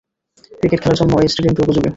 Cricket খেলার জন্য এ স্টেডিয়ামটি উপযোগী।